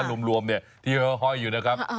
แล้วถ้ารุมเนี่ยที่ต้องให้ห้อยอยู่นะครับ